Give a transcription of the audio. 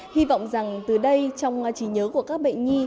hy vọng rằng từ đây trong trí nhớ của các bệnh nhi